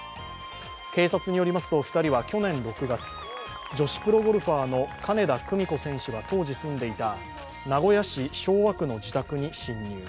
警察によりますと２人は去年６月女子プロゴルファーの金田久美子選手が当時住んでいた名古屋市昭和区の自宅に侵入。